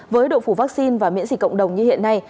với độ phủ vaccine và miễn dịch cộng đồng như hiện nay